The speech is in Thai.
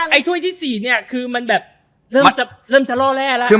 ถ้วยที่๔เนี่ยคือมันแบบเริ่มจะล่อแร่แล้ว